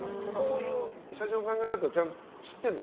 こういう社長の考え方をちゃんと知ってるの？